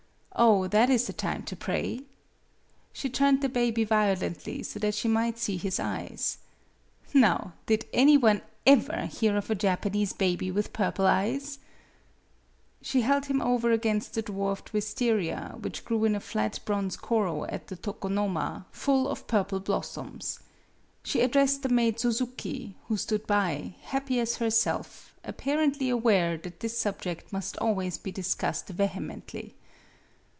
Oh, that is the time to pray! " She turned the baby violently so that she might see his eyes. " Now did any one ever hear of a Japanese baby with purple eyes ?" She held him over against the dwarfed wistaria which grew in a flat bronze koro at the tokonoma, full of purple blossoms. She addressed the maid Suzuki, who stood by, happy as herself, apparently aware that this subject must always be discussed vehe mently.